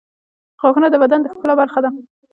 غاښونه د بدن د ښکلا برخه ده.